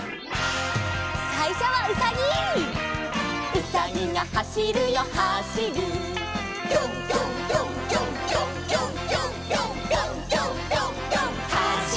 「うさぎがはしるよはしる」「ぴょんぴょんぴょんぴょんぴょんぴょんぴょんぴょん」「ぴょんぴょんぴょんぴょんはしる」